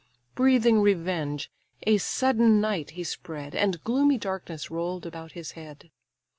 Breathing revenge, a sudden night he spread, And gloomy darkness roll'd about his head.